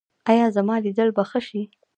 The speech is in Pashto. ایا زما لیدل به ښه شي؟